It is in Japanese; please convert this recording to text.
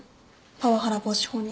パワハラ防止法に。